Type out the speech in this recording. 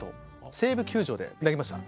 西武球場で投げました。